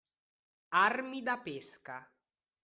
Armi da pesca